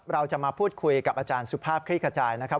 เราจะมาพูดคุยกับอาจารย์สุภาพคลี่ขจายนะครับ